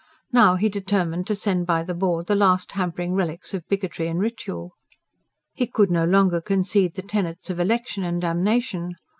Now, he determined to send by the board the last hampering relics of bigotry and ritual. He could no longer concede the tenets of election and damnation.